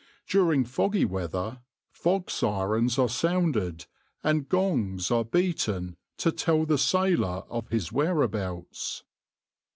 During foggy weather, fog sirens are sounded and gongs are beaten to tell the sailor of his whereabouts.